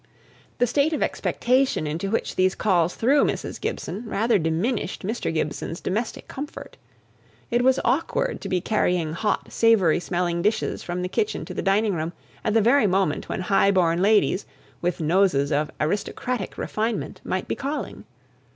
The state of expectation into which these calls threw Mrs. Gibson rather diminished Mr. Gibson's domestic comfort. It was awkward to be carrying hot, savoury smelling dishes from the kitchen to the dining room at the very time when high born ladies, with noses of aristocratic refinement, might be calling.